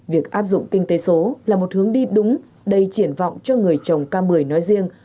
việc áp dụng kinh tế số là một hướng đi đúng đầy triển vọng cho người trồng cam mười nói riêng